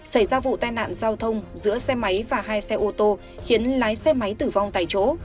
xảy ra vụ tai nạn giao thông giữa xe máy và hai xe ô tô khiến lái xe máy tử vong tại chỗ